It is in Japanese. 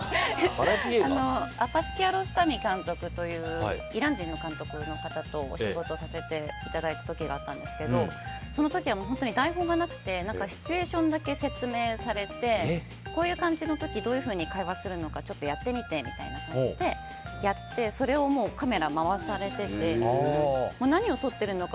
アッバス・キアロスタミ監督というイラン人の監督の方とお仕事させていただいた時があったんですけどその時は、本当に台本がなくてシチュエーションだけ説明されてこういう感じの時どういうふうに会話するのかちょっとやってみてみたいな感じでやってそれをカメラ回されてて何を撮っているのか